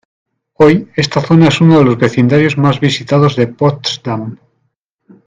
Hoy, esta zona es uno de los vecindarios más visitados de Potsdam.